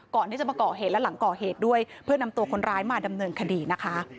ก่อนที่จะมาก่อเหตุและหลังก่อเหตุด้วยเพื่อนำตัวคนร้ายมาดำเนินคดีนะคะ